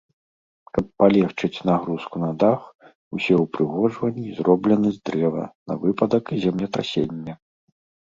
Каб палегчыць нагрузку на дах усе ўпрыгожванні зроблены з дрэва на выпадак землетрасення.